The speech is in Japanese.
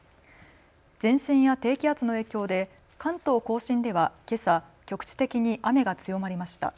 前線や低気圧の影響で関東甲信ではけさ局地的に雨が強まりました。